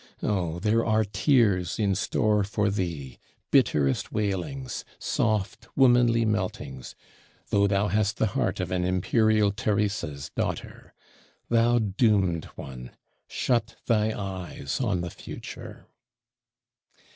O there are tears in store for thee, bitterest wailings, soft womanly meltings, though thou hast the heart of an imperial Theresa's Daughter. Thou doomed one, shut thy eyes on the future!